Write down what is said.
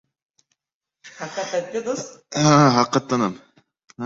O‘z fikrida qat’iy qolish — fikri bilan yolg‘iz qolish demakdir.